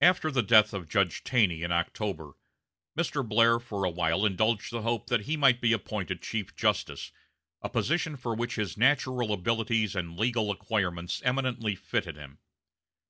After the death of Judge Taney in October, Mr. Blair for a while indulged the hope that he might be appointed chief justice, a position for which his natural abilities and legal acquirements eminently fitted him.